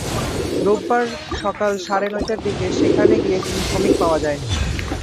রোববার সকাল সাড়ে নয়টার দিকে সেখানে গিয়ে কোনো শ্রমিক পাওয়া যায়নি।